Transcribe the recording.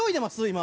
今。